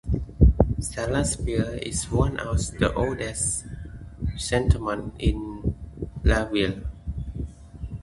Salaspils is one of the oldest settlements in Latvia.